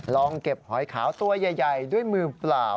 ลองเก็บหอยขาวตัวใหญ่ด้วยมือเปล่า